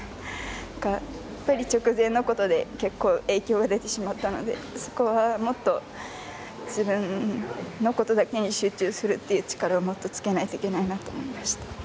直前のことで結構、影響が出てしまったのでそこは、もっと自分のことだけに集中するって力を、もっとつけないとなと思いました。